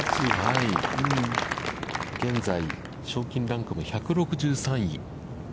現在賞金ランキング１６３位。